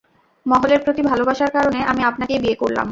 মহলের প্রতি ভালোবাসার কারণে, আমি আপনাকেই বিয়ে করলাম।